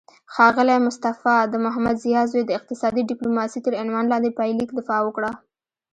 ښاغلی مصطفی د محمدضیا زوی د اقتصادي ډیپلوماسي تر عنوان لاندې پایلیک دفاع وکړه